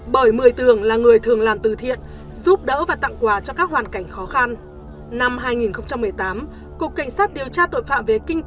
bởi mười tường là người thường làm từ thiện giúp bà chùm